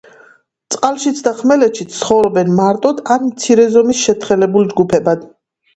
წყალშიც და ხმელეთზეც ცხოვრობენ მარტოდ ან მცირე ზომის შეთხელებულ ჯგუფებად.